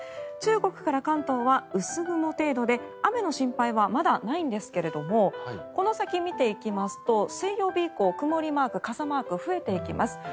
中国から関東は薄雲程度で雨の心配はまだないんですがこの先見ていきますと水曜日以降曇りマーク傘マークが増えていきます。